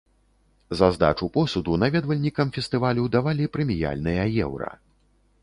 За здачу посуду наведвальнікам фестывалю давалі прэміяльныя еўра.